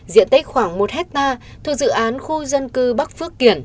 diện tích khoảng một hectare thuộc dự án khu dân cư bắc phước kiển